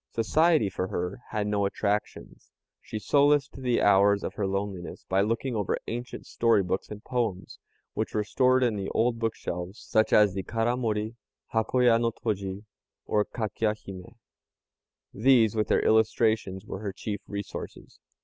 Society for her had no attractions. She solaced the hours of her loneliness by looking over ancient story books and poems, which were stored in the old bookshelves, such as the Karamori, Hakoya no toji, or Kakya hime. These, with their illustrations, were her chief resources.